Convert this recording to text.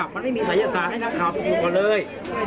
ไม่มีภัยศาสตร์ให้หน้าข่าวก็เลย